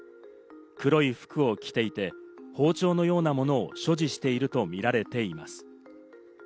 黒い服を着ていて、包丁のようなものを所持しているとみられています。